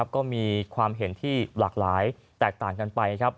ก็มีความเห็นที่หลากหลายแตกต่างกันไป